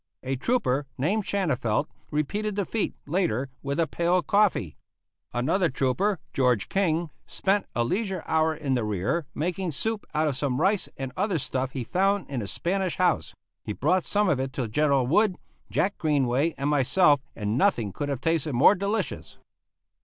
A trooper named Shanafelt repeated the feat, later, with a pail of coffee. Another trooper, George King, spent a leisure hour in the rear making soup out of some rice and other stuff he found in a Spanish house; he brought some of it to General Wood, Jack Greenway, and myself, and nothing could have tasted more delicious.